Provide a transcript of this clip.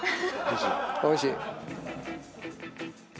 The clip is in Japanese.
おいしい。